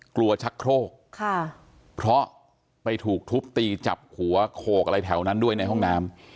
ชักโครกค่ะเพราะไปถูกทุบตีจับหัวโขกอะไรแถวนั้นด้วยในห้องน้ำ